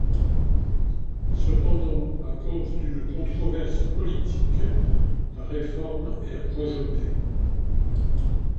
Cependant, à cause d'une controverse politique, la réforme est rejetée.